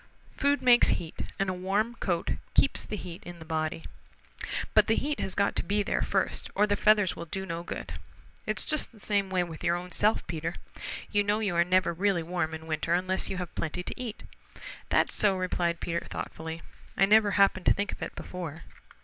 "Food makes heat and a warm coat keeps the heat in the body. But the heat has got to be there first, or the feathers will do no good. It's just the same way with your own self, Peter. You know you are never really warm in winter unless you have plenty to eat..." "That's so," replied Peter thoughtfully. "I never happened to think of it before.